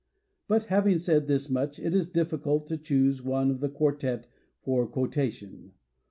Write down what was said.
But having said this much, it is difficult to choose one of the quartet for quotation.